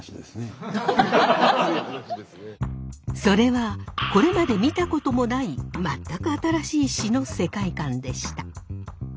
それはこれまで見たこともない全く新しい詞の世界観でした。